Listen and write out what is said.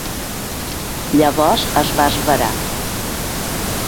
Llavors es va esverar.